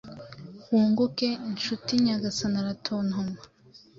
Wunguke inshuti-nyagasani aratontoma